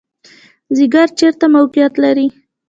ځیګر چیرته موقعیت لري؟